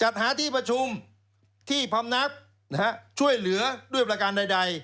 จัดหาที่ประชุมที่พำนักช่วยเหลือด้วยประการใด